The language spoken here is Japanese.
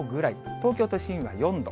東京都心は４度。